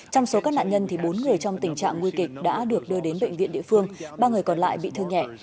trong số các nạn nhân thì bốn người trong tình trạng nguy kịch đã được đưa đến bệnh viện địa phương ba người còn lại bị thương nhẹ